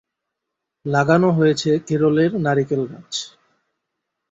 লাগানো হয়ে ছে কেরলের নারকেল গাছ।